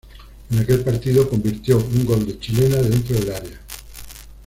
En aquel partido convirtió un gol de chilena dentro del área.